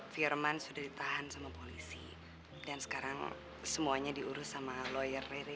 firman sudah ditahan sama polisi dan sekarang semuanya diurus sama lawyer